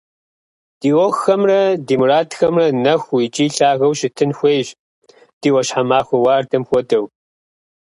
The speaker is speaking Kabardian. Ди ӏуэхухэмрэ ди мурадхэмрэ нэхуу икӏи лъагэу щытын хуейщ, ди ӏуащхьэмахуэ уардэм хуэдэу.